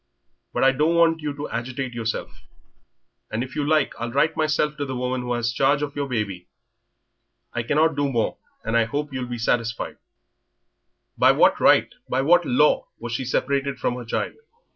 But I don't want you to agitate yourself, and if you like I'll write myself to the woman who has charge of your baby. I cannot do more, and I hope you'll be satisfied." By what right, by what law, was she separated from her child?